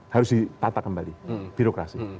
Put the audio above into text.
harus dipatah kembali birokrasi